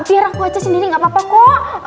biar aku aja sendiri gak apa apa kok